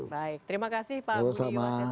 baik terima kasih pak budi yubaseso